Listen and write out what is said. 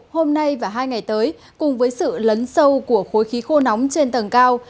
hôm nay và hai ngày tới cùng với sự lấn sâu của khối khí khô nóng trên tầng cao